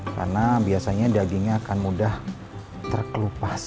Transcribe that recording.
karena biasanya dagingnya akan mudah terkelupas